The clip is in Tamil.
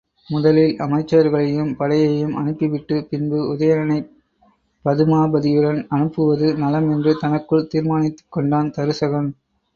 முதலில் அமைச்சர்களையும் படையையும் அனுப்பிவிட்டு, பின்பு உதயணனைப் பதுமாபதியுடன் அனுப்புவது நலம் என்று தனக்குள் தீர்மானித்துக் கொண்டான் தருசகன்.